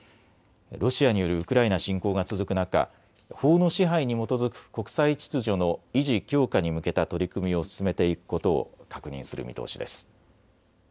ロシアによるウクライナ侵攻が続く中、法の支配に基づく国際秩序の維持・強化に向けた取り組みを進めていくことを確認する見通しです。